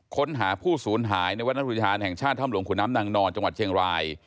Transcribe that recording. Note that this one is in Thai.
ค้นหาผู้สูญหายในวรรณอุทยานแห่งชาติถ้ำหลวงขุนน้ำนางนอนจังหวัดเชียงราย